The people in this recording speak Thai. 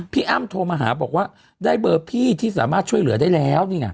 พี่อ้ำโทรมาหาบอกว่าได้เบอร์พี่ที่สามารถช่วยเหลือได้แล้วนี่ไง